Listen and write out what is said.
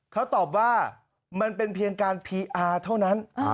เขาตอบว่ามันเป็นเพียงการพีอาร์เท่านั้น